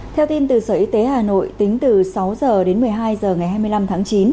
theo tin từ sở y tế hà nội tính từ sáu h đến một mươi hai h ngày hai mươi năm tháng chín